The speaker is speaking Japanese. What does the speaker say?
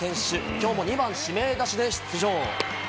きょうも２番・指名打者で出場。